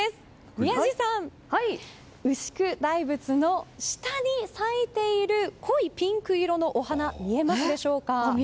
宮司さん、牛久大仏の下に咲いている濃いピンク色のお花見えますでしょうか。